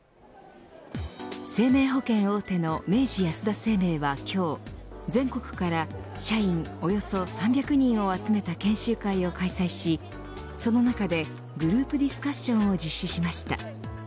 生命保険大手の明治安田生命は今日全国から社員およそ３００人を集めた研修会を開催しその中でグループディスカッションを実施しました。